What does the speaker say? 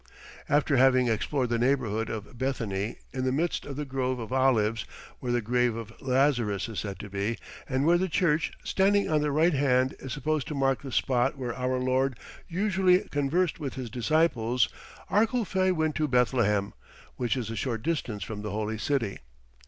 After having explored the neighbourhood of Bethany in the midst of the grove of olives, where the grave of Lazarus is said to be, and where the church, standing on the right hand is supposed to mark the spot where our Lord usually conversed with His disciples, Arculphe went to Bethlehem, which is a short distance from the holy city.